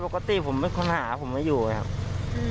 ปกติเป็นคนหาผมอยู่นะครับ